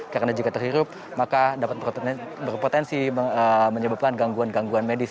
karena jika terhirup maka dapat berpotensi menyebabkan gangguan gangguan medis